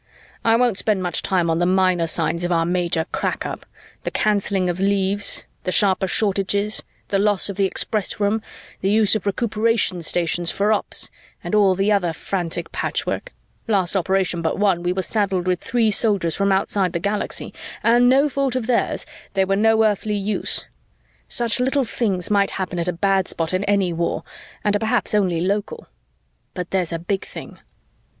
"I won't spend much time on the minor signs of our major crack up the canceling of leaves, the sharper shortages, the loss of the Express Room, the use of Recuperation Stations for ops and all the other frantic patchwork last operation but one, we were saddled with three Soldiers from outside the Galaxy and, no fault of theirs, they were no earthly use. Such little things might happen at a bad spot in any war and are perhaps only local. But there's a big thing."